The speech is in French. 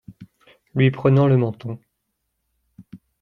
Lui prenant le menton.